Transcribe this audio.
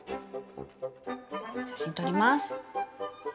写真撮ります。